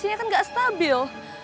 nya kan gak stabil